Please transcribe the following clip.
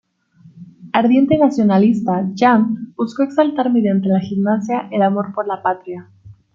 Ardiente nacionalista, Jahn buscó exaltar mediante la gimnasia el amor por la patria.